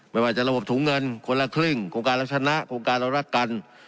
ไม่ว่าจะระบบถุงเงินคนละครึ่งโครงการรักชนะโครงการเรารักกัน